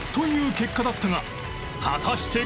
結果だったが果たして今回は！？